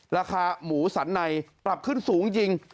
ราคาหมูสันในปรับขึ้นสูงจริง